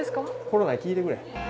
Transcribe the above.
コロナに聞いてくれ。